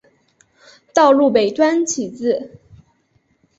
道路北端起自。